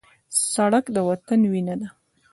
سړک د وطن وینه ده.